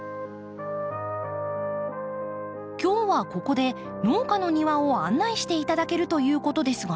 今日はここで農家の庭を案内していただけるということですが。